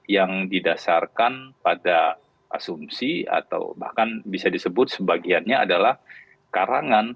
yang didasarkan pada asumsi atau bahkan bisa disebut sebagiannya adalah karangan